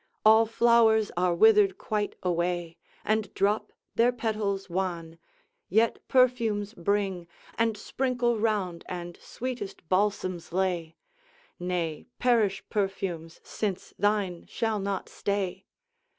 all flowers are withered quite away And drop their petals wan! yet, perfumes bring And sprinkle round, and sweetest balsams lay; Nay, perish perfumes since thine shall not stay!